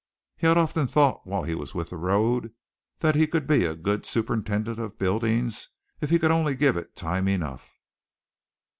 He had often thought while he was with the road that he could be a good superintendent of buildings if he could only give it time enough.